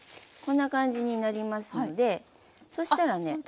こんな感じになりますのでそしたらね。